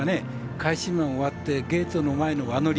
返し馬終わってゲートの前の輪乗り